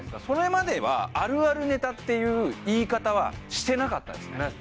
それまでは「あるあるネタ」っていう言い方はしてなかったですね。